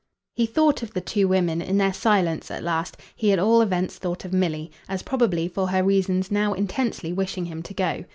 He thought of the two women, in their silence, at last he at all events thought of Milly as probably, for her reasons, now intensely wishing him to go.